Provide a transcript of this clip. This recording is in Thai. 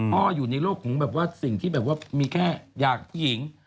พ่ออยู่ในโลกของแบบว่าสิ่งที่แบบว่ามีแค่อยากผู้หญิง